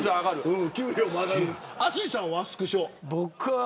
淳さん、スクショは。